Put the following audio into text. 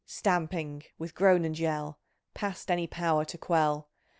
Stamping, with groan and yell, Past any power to quell.